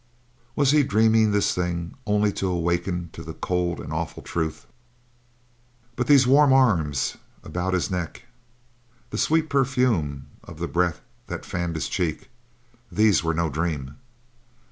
Was he dreaming this thing, only to awaken to the cold and awful truth? But these warm arms about his neck, the sweet perfume of the breath that fanned his cheek; these were no dream!